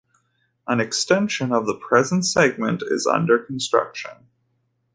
A extension of the present segment is under construction.